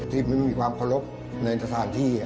ที่ไม่มีความคลบในอันทศาลที่